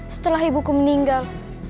setelah ibuku meninggal